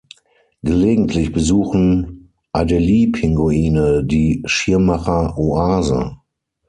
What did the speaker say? Gelegentlich besuchen Adeliepinguine die Schirmacher-Oase.